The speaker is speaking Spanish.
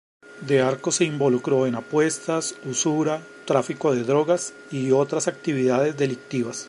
D'Arco se involucró en apuestas, usura, tráfico de drogas y otras actividades delictivas.